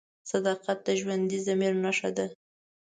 صداقت د ژوندي ضمیر نښه ده.